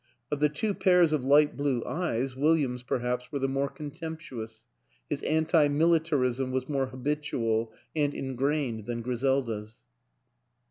Of the two pairs of light blue eyes William's perhaps were the more contemptuous: his anti militarism was more habitual and ingrained than Griselda's.